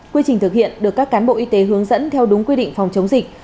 quy trình thực hiện được các cán bộ y tế hướng dẫn theo đúng quy định phòng chống dịch